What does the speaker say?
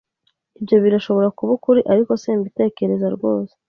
Ibyo birashobora kuba ukuri, ariko simbitekereza rwose.